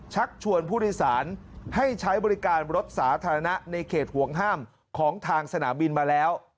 ชักชวนผู้โดยสารให้ใช้บริการรถสาธารณะในเขตห่วงห้ามของทางสนามบินมาแล้ว